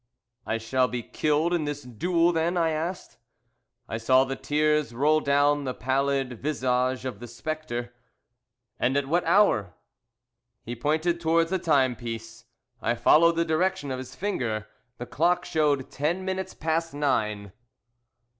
"'I shall be killed in this duel, then?' I asked. "I saw the tears roll down the pallid visage of the spectre. "'And at what hour?' "He pointed towards the timepiece. I followed the direction of his finger. The clock showed ten minutes past nine.